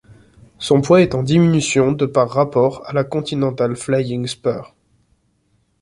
Son poids est en diminution de par rapport à la Continental Flying Spur.